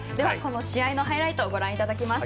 試合のハイライトをご覧いただきます。